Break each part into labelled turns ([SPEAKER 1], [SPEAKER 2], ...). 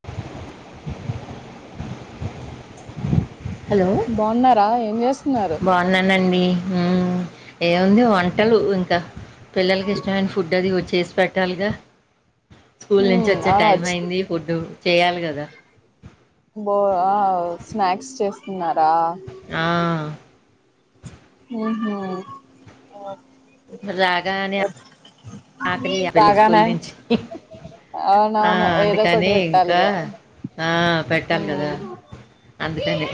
[SPEAKER 1] [inaudible] Hello
[SPEAKER 2] బావున్నారా ఏం జేస్తున్నారు
[SPEAKER 1] న్నానండి ఊ ఏముంది వంటలు ఇంకా పిల్లలకి ఇష్టమైన ఫుడ్ అది వచ్చేసిపెట్టాలిగా స్కూల్ నుంచి
[SPEAKER 2] ఉమ్
[SPEAKER 1] వచ్చే
[SPEAKER 2] అవును
[SPEAKER 1] టైం
[SPEAKER 2] వచ్చి
[SPEAKER 1] అయింది ఫుడ్ చేయాలి కదా
[SPEAKER 2] బో ఆవ్ స్నాక్స్ చేస్తున్నారా
[SPEAKER 1] ఆ
[SPEAKER 2] ఊహు
[SPEAKER 1] రాగానే [inaudible] ఆకలి ఆ పిల్లల్ స్కూల్
[SPEAKER 2] రాగానే
[SPEAKER 1] నుంచి ఆ
[SPEAKER 2] అవునవును ఏదో ఒకటి
[SPEAKER 1] అందుకనే ఇంకా
[SPEAKER 2] పెట్టాలిగా
[SPEAKER 1] ఆ పెట్టాలి
[SPEAKER 2] ఉమ్
[SPEAKER 1] కదా అందుకనేే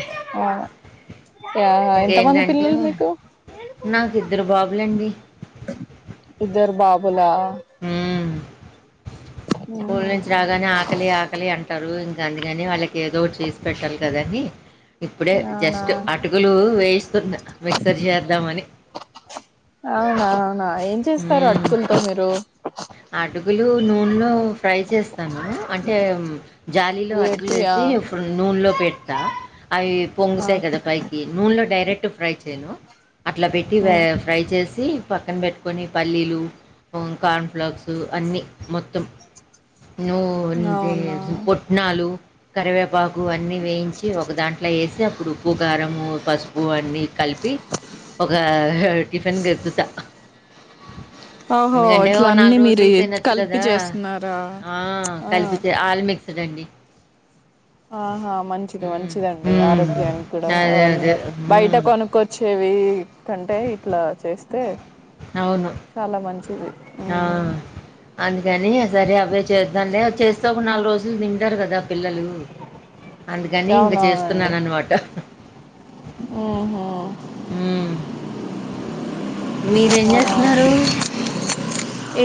[SPEAKER 2] యాహా ఎంతమంది పిల్లలు మీక్
[SPEAKER 1] నాకు ఇద్దరు బాబులండి
[SPEAKER 2] ఇద్దరు బాబులా
[SPEAKER 1] మ్మ్. స్కూల్
[SPEAKER 2] ఉహు
[SPEAKER 1] నుంచి రాగానే ఆకలి ఆకలి అంటారు ఇంకా అందుకని వాళ్ళకి ఏదో ఒకటి చేసి పెట్టాలి కదా అని ఇప్పుడే
[SPEAKER 2] అవునా
[SPEAKER 1] జస్ట్ అటుకులు వేయిస్తున్న మిక్సర్ చేద్దాంమని
[SPEAKER 2] అవునా అవునా ఏం చేస్తారు అటుకులతో మీరు
[SPEAKER 1] మడుగులు నూనెలో ఫ్రై చేస్తాను అంటే జాలిలో అటుకులు
[SPEAKER 2] వేపి ఆ
[SPEAKER 1] వేసి నూనెలో పెడతా అవి
[SPEAKER 2] ఆ
[SPEAKER 1] పొంగుతాయి కదా పైకి నూనెలో డైరెక్ట్ ఫ్రై చేయను అట్లా పెట్టి
[SPEAKER 2] ఉమ్
[SPEAKER 1] ఫ్రై చేసి పక్కన పెట్టుకుని పల్లీలు కార్న్ఫ్లాక్స్ అన్నీ మొత్తం ను
[SPEAKER 2] అవునా
[SPEAKER 1] పొట్నాలు కరివేపాకు అన్నీ వేయించి ఒక దాంట్లో వేసి అప్పుడు ఉప్పు కారం పసుపు అన్నీ కలిపి ఒక టిఫిన్ గద్దుతా
[SPEAKER 2] ఓహో ఇట్ల అన్నీ మీరు
[SPEAKER 1] రోజులు తినొచ్చు
[SPEAKER 2] కలిపి
[SPEAKER 1] కదా
[SPEAKER 2] చేస్తున్నారా
[SPEAKER 1] ఆ, కలిపితే ఆల్ మిక్స్డ్ అండి
[SPEAKER 2] ఆహా మంచిది
[SPEAKER 1] మ్మ్.
[SPEAKER 2] మంచిదండి
[SPEAKER 1] మ్మ్.
[SPEAKER 2] ఆరోగ్యానికి కూడా
[SPEAKER 1] అదే
[SPEAKER 2] అవన్నీ
[SPEAKER 1] అదే
[SPEAKER 2] బయట
[SPEAKER 1] మ్మ్.
[SPEAKER 2] కొను కోన్ కోచ్చేవి కంటే ఇట్లా చేస్తే
[SPEAKER 1] అవును
[SPEAKER 2] చాలా మంచిది
[SPEAKER 1] ఆ.
[SPEAKER 2] మ్మ్
[SPEAKER 1] అందుకని సరే అవే చేద్దాంలే చేస్తే ఒక నాలుగు రోజులు తింటారు కదా పిల్లలు అందుకని ఇంక చేస్తున్నాను అనమాట
[SPEAKER 2] ఉహు
[SPEAKER 1] ఉమ్ మీరేం చేస్తున్నారు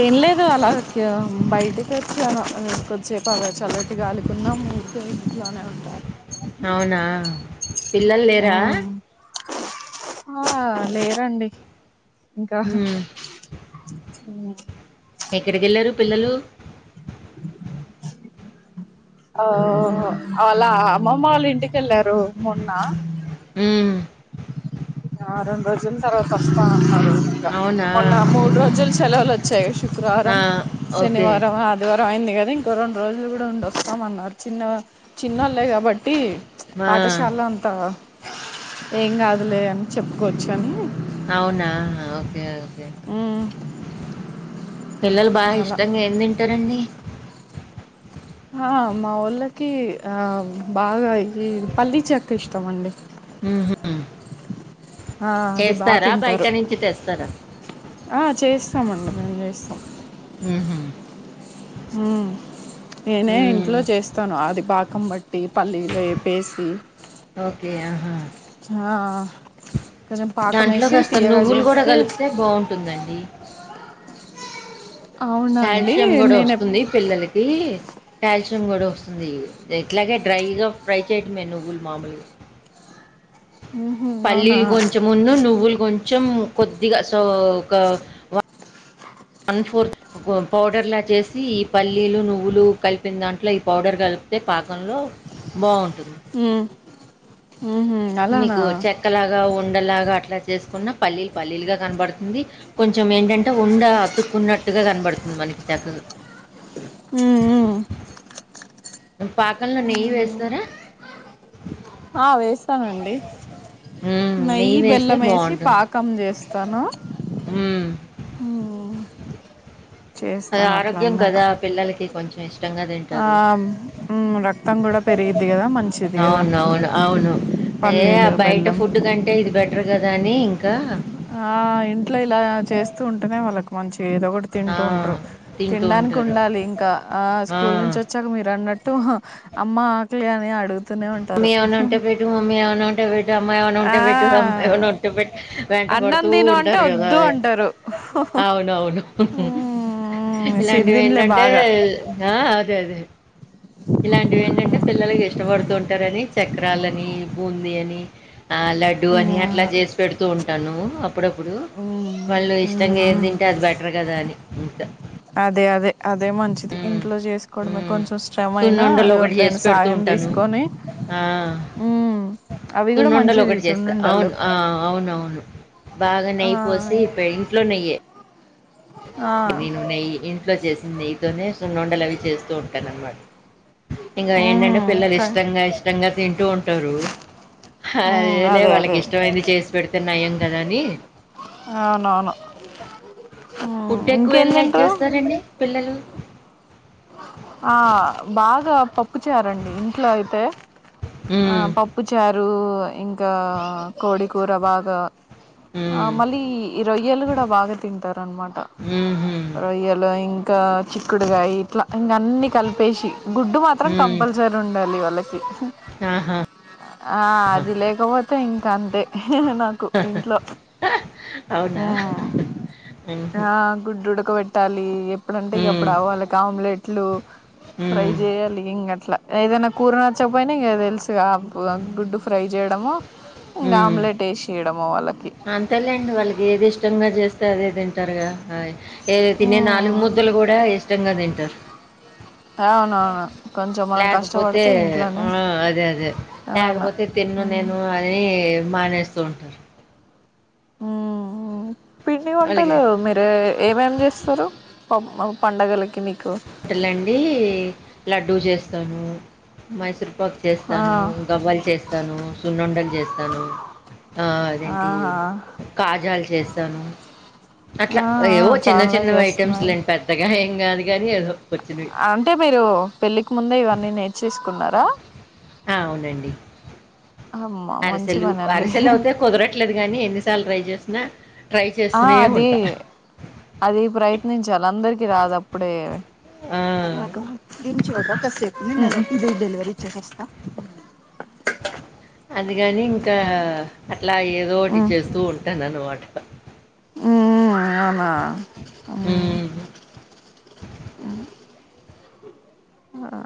[SPEAKER 2] ఏం లేదు అలా బయటికి వచ్చాను చేపలే చల్లటి గాలికి ఉన్నం ఊకె ఇంట్లోనే ఉంటారు
[SPEAKER 1] అవునా పిల్లలు లేరా
[SPEAKER 2] ఉమ్. ఆ లేరండి ఇంకా
[SPEAKER 1] మ్మ్
[SPEAKER 2] అ
[SPEAKER 1] ఎక్కడికి వెళ్ళరు పిల్లలు
[SPEAKER 2] ఆ అలా అమ్మమ్మ వాళ్ళ ఇంటికెళ్ళారు మొన్న
[SPEAKER 1] ఉమ్
[SPEAKER 2] ఆ వారం రోజుల తర్వాత వస్తా అన్నారు
[SPEAKER 1] అవునా
[SPEAKER 2] మొన్న మూడు
[SPEAKER 1] ఊహూ
[SPEAKER 2] రోజులు సెలవులు వచ్చాయి
[SPEAKER 1] ఆ
[SPEAKER 2] శుక్రవారం
[SPEAKER 1] ఓకే
[SPEAKER 2] శనివారం ఆది వారం అయింది కదా ఇంకో రెండు రోజులు కూడా ఉండి వస్తామన్నారు చిన్న చిన్నళ్ళ కాబట్టి
[SPEAKER 1] ఆ
[SPEAKER 2] పాఠశాల అంతా ఏం కాదులే అని చెప్పుకోవచ్చు అని
[SPEAKER 1] అవునా ఓకే ఓకే
[SPEAKER 2] ఉమ్
[SPEAKER 1] పిల్లలు బాగా
[SPEAKER 2] అలా
[SPEAKER 1] ఇష్టంగా ఏం తింటారండి
[SPEAKER 2] ఆ మా ఓళ్ళకి ఆ బాగాయి పల్లీ చేక్క ఇష్టమండి
[SPEAKER 1] ఊహూ
[SPEAKER 2] ఆ అది బాగా
[SPEAKER 1] చేస్తారా బయట
[SPEAKER 2] తింటారు
[SPEAKER 1] నుంచి తెస్తారా
[SPEAKER 2] చేస్తామండి మేము చేస్తాం
[SPEAKER 1] ఉహు
[SPEAKER 2] నేనే ఇంట్లో
[SPEAKER 1] మ్మ్
[SPEAKER 2] చేస్తాను అది బాకం బట్టి పల్లీ వేపేసి
[SPEAKER 1] ఓకే
[SPEAKER 2] ఆ కొంచెం పాకం వేసి
[SPEAKER 1] దాంట్లోకాస్తా
[SPEAKER 2] తీయగా
[SPEAKER 1] నువ్వులు కూడా
[SPEAKER 2] చేస్తే
[SPEAKER 1] కలిపితే బాగుంటుందండి
[SPEAKER 2] అవునా అండి
[SPEAKER 1] కాల్షియం కూడా
[SPEAKER 2] నేను ఎప్
[SPEAKER 1] వస్తుంది పిల్లలకి కాల్షియం కూడా వస్తుంది ఇట్లాగే డ్రైగా ఫ్రై చేయటమే నువ్వులు మామూలు
[SPEAKER 2] ఉహు అవునా
[SPEAKER 1] పల్లీలు కొంచెం మున్ను నువ్వులు కొంచెం కొద్దిగా సో ఒక వన్ ఫోర్ పౌడర్లా చేసి ఈ పల్లీలు నువ్వులు కలిపిన దాంట్లో ఈ పౌడర్ కలిపితే పాకంలో బాగుంటుంది
[SPEAKER 2] ఉం హు హమ్
[SPEAKER 1] మీకు చెక్కలాగా ఉండలాగా అట్లా చేసుకున్న పల్లీలు పల్లీలు గా కనబడుతుంది కొంచెం ఏంటంటే ఉండ అతుక్కున్నట్టుగా కనబడుతుంది మనకి చక్కలు
[SPEAKER 2] ఉం ఉం
[SPEAKER 1] పాకంలో నెయ్యి వేస్తారా
[SPEAKER 2] ఆ వేస్తానండి
[SPEAKER 1] మ్మ్,
[SPEAKER 2] నెయ్యి
[SPEAKER 1] వేస్తే
[SPEAKER 2] బెల్లం వేసి
[SPEAKER 1] బాగుంటుంది
[SPEAKER 2] పాకు కమ్ చేస్తాను
[SPEAKER 1] మ్మ్.
[SPEAKER 2] ఉమ్
[SPEAKER 1] అది
[SPEAKER 2] చేస్తాను అట్లా
[SPEAKER 1] ఆరోగ్యం
[SPEAKER 2] అన్నమాట
[SPEAKER 1] కదా పిల్లలకి కొంచెం ఇష్టం
[SPEAKER 2] ఆ ఉం రక్తం కూడా పెరిగిద్ది కదా మంచిది కదా
[SPEAKER 1] ఏయ ఆ
[SPEAKER 2] పల్లీలు
[SPEAKER 1] బయట
[SPEAKER 2] బెల్లం
[SPEAKER 1] ఫుడ్ కంటే ఇది బెటర్ కదా అని ఇంకా
[SPEAKER 2] ఆ ఇంట్లో ఇలా చేస్తూ ఉంటేనే వాళ్ళకి మంచి ఏదో ఒకటి
[SPEAKER 1] ఆ!
[SPEAKER 2] తింటూంటారు
[SPEAKER 1] తింటూ
[SPEAKER 2] తినడానికి
[SPEAKER 1] ఉంటారు.
[SPEAKER 2] ఉండాలి ఇంకా ఆ స్కూల్ నుంచి వచ్చి మీరు అన్నట్టు అమ్మ ఆకలి అని అడుగు
[SPEAKER 1] మమ్మీ ఏమన ఉంటే పెట్టు మమ్మీ అన ఉంటే బెటు అమ్మాయివన [unintelligible]
[SPEAKER 2] ఆ
[SPEAKER 1] ఉంటే బట్టు అమ్మాయి అన ఉంటే బట వెంట
[SPEAKER 2] అన్నం
[SPEAKER 1] పడుతూ
[SPEAKER 2] తిను అంటే
[SPEAKER 1] ఉంటారు కదా
[SPEAKER 2] వద్దు అంటారు
[SPEAKER 1] అవునవును
[SPEAKER 2] ఉమ్
[SPEAKER 1] ఇలాంటివి
[SPEAKER 2] సిరిదిండ్లే
[SPEAKER 1] ఏంటంటే
[SPEAKER 2] బాగా
[SPEAKER 1] ఆ అదే అదే ఇలాంటివి ఏంటంటే పిల్లలకి ఇష్టపడుతూ ఉంటారని చక్రాలని బూందీ అని ఆ లడ్డుూ అని అట్లా
[SPEAKER 2] ఉమ్
[SPEAKER 1] చేసి పెడుతూ ఉంటాను అప్పుడప్పుడు
[SPEAKER 2] ఉమ్
[SPEAKER 1] వాళ్ళు ఇష్టంగా ఎం తింటే
[SPEAKER 2] ఉమ్
[SPEAKER 1] అంటే అది బెటర్ కదా అని ఇంకా
[SPEAKER 2] అదే అదే అదే మంచి ఇంట్లో చేసుకోవడమే
[SPEAKER 1] హ్మ్.
[SPEAKER 2] కొంచెం శ్రమ అయినా
[SPEAKER 1] సున్నుండలు ఒకటి చేసి
[SPEAKER 2] ఎవరిదైనా
[SPEAKER 1] పెడుతూ
[SPEAKER 2] సాయం
[SPEAKER 1] ఉంటాను.
[SPEAKER 2] తీసుకొని
[SPEAKER 1] ఆ
[SPEAKER 2] ఉమ్ అవి కూడా
[SPEAKER 1] సున్నండలు
[SPEAKER 2] మంచిది
[SPEAKER 1] ఒకటి చేస్తా
[SPEAKER 2] సున్నుండలు
[SPEAKER 1] అవును ఆ అవునవును బాగా
[SPEAKER 2] ఆ
[SPEAKER 1] నెయ్యి పోసి
[SPEAKER 2] ఇం
[SPEAKER 1] పె ఇంట్లో నెయ్యి
[SPEAKER 2] ఆ
[SPEAKER 1] నేను నెయి ఇంట్లో చేసింది నెయ్యతోనే సున్ను ఉండలు అవి చేస్తూ ఉంటాను అన్నమాట ఇంగ ఏంటంటే
[SPEAKER 2] ఉమ్
[SPEAKER 1] పిల్లలు
[SPEAKER 2] త
[SPEAKER 1] ఇష్టంగా ఇష్టంగా తింటూ ఉంటారు
[SPEAKER 2] ఉమ్
[SPEAKER 1] అదేలే
[SPEAKER 2] అదే
[SPEAKER 1] వాళ్ళకి
[SPEAKER 2] అదే
[SPEAKER 1] ఇష్టమైంది చేసి పెడితే నయం కదా అని
[SPEAKER 2] అవునవును ఉమ్
[SPEAKER 1] ఫుడ్డు
[SPEAKER 2] ఇంకేం
[SPEAKER 1] ఎక్కువేళ్ళి లైక్
[SPEAKER 2] తింటరు
[SPEAKER 1] చేస్తారండి పిల్లలు
[SPEAKER 2] ఆ బాగా పప్పు చారండి ఇంట్లో అయితే ఆ
[SPEAKER 1] హ్మ్
[SPEAKER 2] పప్పు పప్పుచారు ఇంకా కోడి కూర బాగా ఆ
[SPEAKER 1] హ్మ్
[SPEAKER 2] మళ్ళీ ఈ రొయ్యళు కూడా బాగా తింటారు అనమాట
[SPEAKER 1] ఊహూ
[SPEAKER 2] రొయ్యలు ఇంకా చిక్కుడుకాయ ఇట్లా ఇంక అన్ని కలిపేసి గుడ్డు మాత్రం
[SPEAKER 1] హ్మ్
[SPEAKER 2] కంపల్సరీ ఉండాలి వాళ్ళకి
[SPEAKER 1] ఆహా
[SPEAKER 2] ఆ అది లేకపోతే ఇంకా అంతే నాకు ఇంట్లో
[SPEAKER 1] అవునా?
[SPEAKER 2] ఉం
[SPEAKER 1] హుహు.
[SPEAKER 2] ఆ గుడ్డు ఉడక పెట్ పెట్టాలి ఎప్పుడంటే ఇగా
[SPEAKER 1] హ్మ్.
[SPEAKER 2] అప్పుడు వాళ్ళకి ఆమ్లెట్లు ఫ్రై
[SPEAKER 1] హ్మ్.
[SPEAKER 2] చేయాలి ఇంగట్లా ఏదనా కూర నచ్చకపోయినా ఇంగా తెలుసు గా గుడ్డు ఫ్రై చేయడము ఇంగ ఆమ్లెట్ వేసియడము వాళ్ళకి
[SPEAKER 1] తెలిండి వాళ్ళకి ఏది ఇష్టంగా చేస్తే అదే తింటారుగా ఏది తినే
[SPEAKER 2] మ్మ్
[SPEAKER 1] నాలుగు ముద్దలు కూడా ఇష్టంగా తింటారు
[SPEAKER 2] అవునవును కొంచెం మనం
[SPEAKER 1] లేకపోతే
[SPEAKER 2] కష్టపడితే ఇంట్లోనే
[SPEAKER 1] అదే అదే
[SPEAKER 2] అవును
[SPEAKER 1] లేకపోతే తిన్న
[SPEAKER 2] మ్మ్
[SPEAKER 1] నేను అ అని మానేస్తూ ఉంటారు
[SPEAKER 2] మ్ మ్ పిండి వంటలు
[SPEAKER 1] వాళ్ళకి
[SPEAKER 2] మెతు ఆ ఏమేమి చేస్తారు పప్ పండుగలకి మీకు
[SPEAKER 1] వంటలండి లడ్డూ చేస్తాను మైసూర్ పాక్
[SPEAKER 2] ఆ
[SPEAKER 1] చేస్తాను గవ్వలు చేస్తాను సున్నుండలు చేస్తాను ఆ అదేంటి
[SPEAKER 2] ఆహా
[SPEAKER 1] కాజాలు చేస్తాను అట్లా
[SPEAKER 2] ఆ ఆ
[SPEAKER 1] ఏవో చిన్న
[SPEAKER 2] చాలానే
[SPEAKER 1] చిన్న ఐటెమ్స్
[SPEAKER 2] చేస్తున్నారు
[SPEAKER 1] లేండి పెద్దగా ఏం కాదు కానీ ఏదో వచ్చినట్టు
[SPEAKER 2] అంటే మీరు పెళ్ళికి ముందే ఇవన్నీ నేర్చేసుకున్నారా
[SPEAKER 1] ఆ అవునండి
[SPEAKER 2] అమ్మ మంచి
[SPEAKER 1] అరిసెలు
[SPEAKER 2] పని అండి
[SPEAKER 1] అరిసెలు అవుతే కుదరట్లేదు కాని ఎన్నిసార్లు ట్రై చేసినా ట్రై
[SPEAKER 2] ఆ
[SPEAKER 1] చేస్తూనే
[SPEAKER 2] అది
[SPEAKER 1] ఉంటా
[SPEAKER 2] అది ప్రయత్నించాలి అందరికి రాదు అప్పుడే
[SPEAKER 1] ఆ,
[SPEAKER 2] [inaudible] కాసేపు కూర్చుంటావా డెలివరీ చేసోస్తా
[SPEAKER 1] అందుకని ఇంకా అట్లా ఏదోటి
[SPEAKER 2] ఉమ్
[SPEAKER 1] చేస్తూ ఉంటాను అనమాట
[SPEAKER 2] హ్మ్ అవునా ఆ ఆ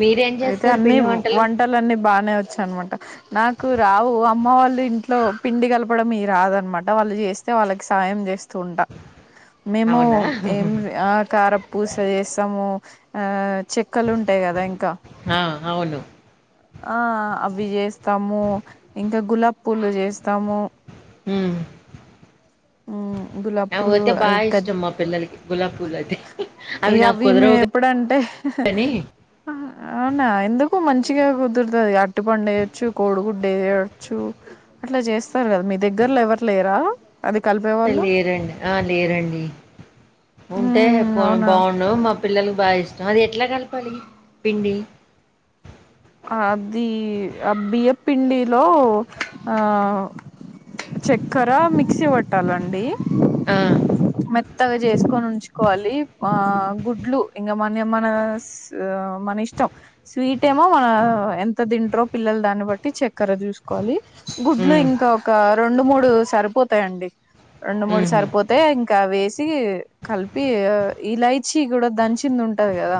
[SPEAKER 1] మీరేం
[SPEAKER 2] అయితే
[SPEAKER 1] చేస్తారు
[SPEAKER 2] అన్ని
[SPEAKER 1] పిండి వంటలు
[SPEAKER 2] వంటలన్నీ బానే వచ్చనమాట నాకు రావు అమ్మ వాళ్ళు ఇంట్లో పిండి కలపడం ఈ రాదనమాట వాళ్ళు చేస్తే వాళ్ళకి సాయం చేస్తూ ఉంటా మేము
[SPEAKER 1] అవునా
[SPEAKER 2] ఏం ఆ కార పూస చేస్తాము ఆ చెక్కలు ఉంటాయి కదా ఇంకా
[SPEAKER 1] ఆ అవును
[SPEAKER 2] ఆ ఆ అవి చేస్తాము ఇంకా గులాబ్ పూలు చేస్తాము
[SPEAKER 1] హ్మ్
[SPEAKER 2] ఉమ్ గులాబ్
[SPEAKER 1] ఆ
[SPEAKER 2] పూలు
[SPEAKER 1] అవైతే బా
[SPEAKER 2] ఇక
[SPEAKER 1] ఇష్టం మా పిల్లలకి గులాబి పూలు అంటే
[SPEAKER 2] ఇగ అవి మేము ఎప్పుడంటే
[SPEAKER 1] కానీ
[SPEAKER 2] అవునా ఎందుకు మంచిగా కుదురుతుంది అరటిపండు వేయొచ్చు కోడిగుడ్డు వేయొచ్చు అట్లా చేస్తారు కదా మీ దగ్గర్లో ఎవరు లేరా అది కలిపే
[SPEAKER 1] లేరండి ఆ లేరండి ఉంటే
[SPEAKER 2] ఉమ్
[SPEAKER 1] పో
[SPEAKER 2] అవునా
[SPEAKER 1] బాగుండు మా పిల్లలకు బాగా ఇష్టం అది ఎట్లా కలపాలి పిండి
[SPEAKER 2] అది ఆ బియ్యపిండిలో ఆ చక్కెర మిక్సీ పట్టాలండి
[SPEAKER 1] ఆ
[SPEAKER 2] మెత్ మెత్తగా చేసుకొని ఉంచుకోవాలి ఆ గుడ్లు ఇంకా మన మన ఆ మన ఇష్టం స్వీట్ మో మన ఎంత తింటరో పిల్లలు దాన్ని బట్టి చక్కెర చూసుకోవాలి గుడ్లు
[SPEAKER 1] హ్మ్
[SPEAKER 2] ఇంకా ఒక రెండు మూడు సరిపోతాయిండి రెండు మూడు
[SPEAKER 1] ఊహూ
[SPEAKER 2] సరిపోతా అయితే ఇంకా వేసి కలిపి ఇలైచి కూడా దంచింది ఉంటది కదా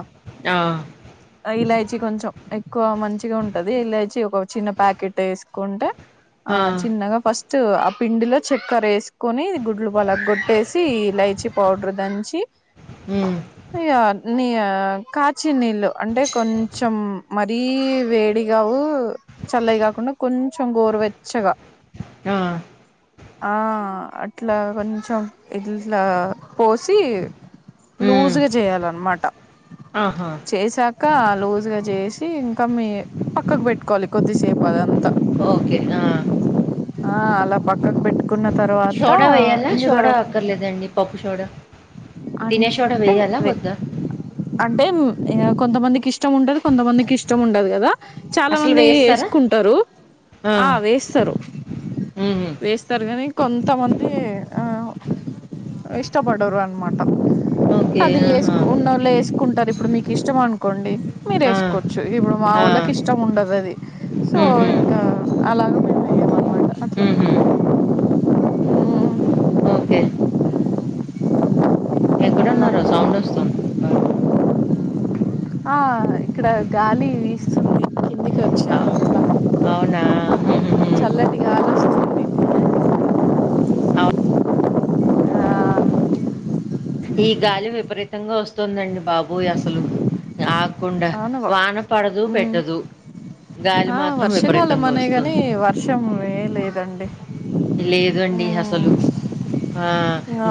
[SPEAKER 1] ఆ
[SPEAKER 2] ఇలాయచి కొంచెం ఎక్కువ మంచిగా ఉంటది ఇలాచి ఒక చిన్న ప్యాకెట్ వేసుకుంటే ఆ చిన్నగా ఫస్ట్ ఆ పిండిలో చక్కర వేసుకొని గుడ్లు పలగ్గొట్టేసి ఇలైచి పౌడర్ దంచి
[SPEAKER 1] హ్మ్
[SPEAKER 2] ఇ నీ కాచినీళ్ళు అంటే కొంచెం మరీ వేడిగావు చల్లయి కాకుండా కొంచెం గోరువెచ్చగా
[SPEAKER 1] ఆ
[SPEAKER 2] ఆ అట్లా కొంచెం ఇట్లా పోసి
[SPEAKER 1] హ్మ్
[SPEAKER 2] లూజ్ గా చేయాలన్నమాట
[SPEAKER 1] ఆహా
[SPEAKER 2] ఏసాక లూజ్ గా జేసి ఇంకా మీ పక్కక్ బెట్ట్కోవాలి కొద్దిసేపు అదంతా
[SPEAKER 1] ఓకే ఆ
[SPEAKER 2] ఆ అలా పక్కక్ బెట్ట్ కున్న తర్వాత
[SPEAKER 1] సోడా వేయాలా
[SPEAKER 2] ఇంగ
[SPEAKER 1] సోడా
[SPEAKER 2] దరత్
[SPEAKER 1] అక్కర్లేదండి పప్పు సోడా తినే సోడా
[SPEAKER 2] అంటే
[SPEAKER 1] వేయాలా
[SPEAKER 2] అదె
[SPEAKER 1] వద్దా
[SPEAKER 2] అంటేమ్ ఇంగ కొంతమందికి ఇష్టం ఉండదు కొంతమందికి ఇష్టం ఉండదు గదా చాలా
[SPEAKER 1] అసలు
[SPEAKER 2] మంది
[SPEAKER 1] వేస్తారా
[SPEAKER 2] ఏస్కుంటరు ఆ వేస్తరు
[SPEAKER 1] ఊహు
[SPEAKER 2] వేస్తారు గానీ కొంతమంది ఆ ఇష్టపడరు అన్మాట
[SPEAKER 1] ఓకే.
[SPEAKER 2] అది
[SPEAKER 1] ఆహా!
[SPEAKER 2] ఏస్కున్నొళ్ళు ఏస్కుంటరు ఇప్పుడు మీకి ఇష్టము అన్కోండి
[SPEAKER 1] ఆ!
[SPEAKER 2] మీరేస్కోచ్చు ఇబ్బుడు మా
[SPEAKER 1] ఆ!
[SPEAKER 2] వోళ్ళకి ఇష్టముండదది సో
[SPEAKER 1] హుహు.
[SPEAKER 2] ఇంకా అలాగ మే
[SPEAKER 1] హుహు.
[SPEAKER 2] మంట కట్ల
[SPEAKER 1] ఓకే ఎక్కడున్నారో సౌండొస్తుంది బాగా
[SPEAKER 2] ఆ ఇక్కడ గాలి వీ
[SPEAKER 1] అ అవునా హు హు హు
[SPEAKER 2] చల్లటి గాలి వస్తుంది
[SPEAKER 1] ఆవ ఈ గాలి విపరీతంగా వస్తోందండి బాబోయ్ అసలు ఆ కుండా వాన పడదు పెట్టదు గాలి
[SPEAKER 2] ఆ
[SPEAKER 1] మాత్రం
[SPEAKER 2] వర్షాకాలం
[SPEAKER 1] విపరీతంగా
[SPEAKER 2] అనే గని
[SPEAKER 1] ఒస్తుంది.
[SPEAKER 2] వర్షం ఏ లేదండి
[SPEAKER 1] లేదండి అసలు
[SPEAKER 2] మ్మ్
[SPEAKER 1] ఆ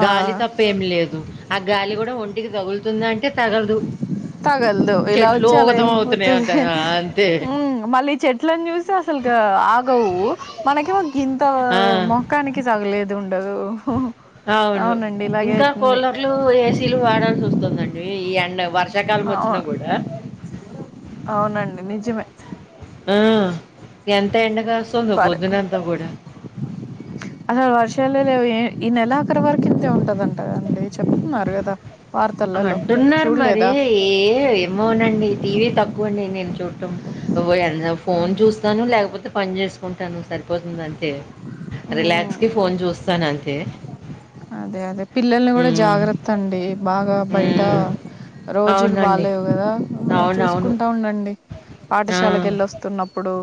[SPEAKER 2] ఆ
[SPEAKER 1] గాలి తప్ ప్ప ఏం లేదు ఆ గాలి గుడా ఒంటికి దగుల్తుందా అంటే తగల్దు
[SPEAKER 2] తగలదు ఇలా
[SPEAKER 1] చెట్లు
[SPEAKER 2] వచ్చి
[SPEAKER 1] ఊగదం అవుతున్నాయ్ అంతగా ఆంతే
[SPEAKER 2] ఉంగ్ మళ్ళీ చెట్లన్ జూస్తే అసలు గా ఆగవూ మనకేమొ గింత
[SPEAKER 1] ఆ!
[SPEAKER 2] మొక్కానికి కి జగలేదుండదు అవునండి ఇలాగే వుంది
[SPEAKER 1] లు ఏసీలు వాడాల్సొస్తుందండి ఈ ఎండ వర్ష్
[SPEAKER 2] ఆ ఆ అవునండి నిజమే
[SPEAKER 1] ఆ ఎంత ఎండ గాస్తుందో పొద్దునంతా గూడ
[SPEAKER 2] అహా వర్షాలె లేవు ఏ ఈ నెల ఆఖరి వరకి ఇంతే ఉంటదంట గదండి చెప్తున్నారు గదా
[SPEAKER 1] అంటున్నారు మరి ఏ ఏమోనండి టీవీ తక్కువ అండి నేన్ చూడ్డం ఒహో ఎన్ ఫోన్ చూస్తాను ల్యాక్ పోతే పన్ జేస్కుంటాను సరిపోతుందంతే రిల్యాక్సి
[SPEAKER 2] మ్మ్
[SPEAKER 1] ఫోన్ జూస్తానంతే
[SPEAKER 2] అదే అదే పిల్లల్ని గుడా జాగ్రత్త అండి బాగా బైటా
[SPEAKER 1] హ్మ్.
[SPEAKER 2] రోజుల్
[SPEAKER 1] అవునండి.
[SPEAKER 2] బాలేవు గదా
[SPEAKER 1] అవునవును.
[SPEAKER 2] చూస్కుంటా ఉండండి
[SPEAKER 1] ఆ!
[SPEAKER 2] పాఠశాలకెళ్ళొస్తున్నప్పుడు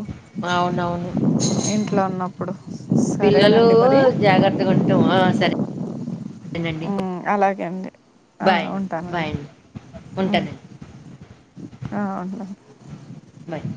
[SPEAKER 1] అవునవును
[SPEAKER 2] ఇంట్లో ఉన్నప్పుడు
[SPEAKER 1] పిల్లలూ
[SPEAKER 2] సరేనండి మరి
[SPEAKER 1] జాగ్రత్తగా ఉంటమ్ ఆ సరె నండి
[SPEAKER 2] ఉమ్, అలాగే అండి ఆ,
[SPEAKER 1] బాయ్ ను బాయ్
[SPEAKER 2] ఉంటానండి
[SPEAKER 1] అండి
[SPEAKER 2] ఉమ్,
[SPEAKER 1] ఉంటనండి
[SPEAKER 2] ఆ సరే
[SPEAKER 1] బాయ్